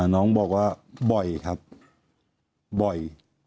น้องบอกว่าบ่อยครับบ่อย